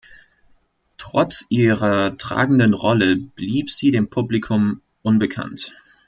Trotz ihrer tragenden Rolle blieb sie dem Publikum unbekannt.